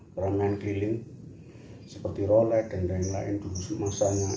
keramaian keliling seperti rolek dan lain lain di husus masanya itu